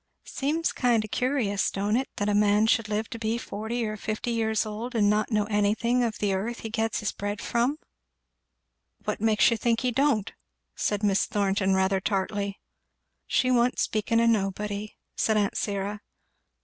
"It seems kind o' curious, don't it, that a man should live to be forty or fifty years old and not know anything of the earth he gets his bread from?" "What makes you think he don't?" said Miss Thornton rather tartly. "She wa'n't speaking o' nobody," said aunt Syra.